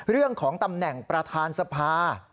เรื่องของตำแหน่งประธานสภา